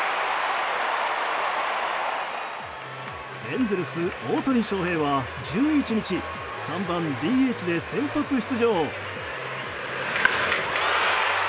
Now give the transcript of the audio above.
エンゼルス、大谷翔平は１１日３番ＤＨで先発出場。